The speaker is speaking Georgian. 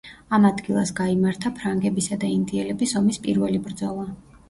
ამ ადგილას გაიმართა ფრანგებისა და ინდიელების ომის პირველი ბრძოლა.